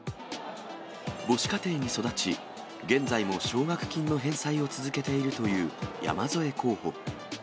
母子家庭に育ち、現在も奨学金の返済を続けているという山添候補。